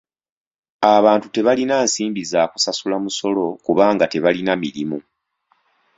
Abantu tebalina nsimbi za kusasula musolo kubanga tebalina mirimu.